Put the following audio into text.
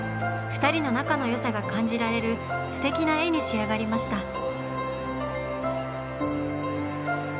２人の仲のよさが感じられるすてきな絵に仕上がりました。